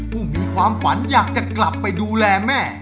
ผู้มีความฝันอยากจะกลับไปดูแลแม่